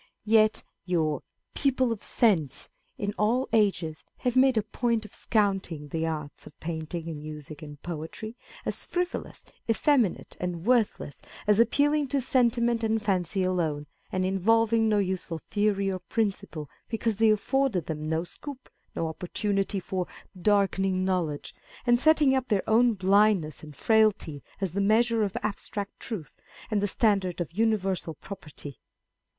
Yet your people of sense, in all ages, have made a point of scouting the arts of painting, music, and poetry, as frivolous, effeminate, and worthless, as appealing to sentiment and fancy alone, and involving no useful theory or principle, because they afforded them no scope, no opportunity for darkening knowledge, and setting up their own blindness and frailty as the measure of abstract truth, and the standard of universal propriety.